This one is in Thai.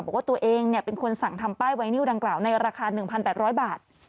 บอกว่าตัวเองเป็นคนสั่งทำป้ายไวนิวดังกล่าวในราคา๑๘๐๐บาท